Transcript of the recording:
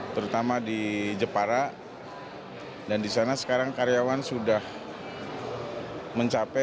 pertemuan indonesia dan pertemuan jawa nara